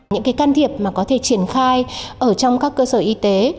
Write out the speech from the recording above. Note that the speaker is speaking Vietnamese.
những cái can thiệp mà có thể triển khai ở trong các cơ sở y tế